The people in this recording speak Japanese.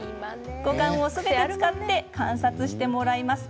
五感をすべて使って観察してもらいます。